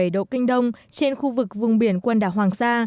một trăm một mươi bảy độ kinh đông trên khu vực vùng biển quần đảo hoàng sa